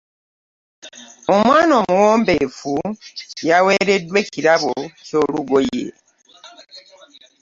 Omwaana omuwombefu yaweredwa ekirabo kyolugoye.